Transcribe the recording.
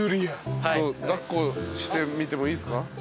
抱っこしてみてもいいっすか？